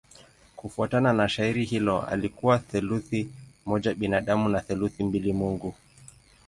Kufuatana na shairi hilo alikuwa theluthi moja binadamu na theluthi mbili mungu.